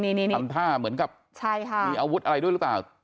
ทำท่าเหมือนกับมีอาวุธอะไรด้วยหรือเปล่า